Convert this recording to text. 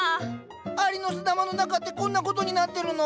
アリノスダマの中ってこんなことになってるの？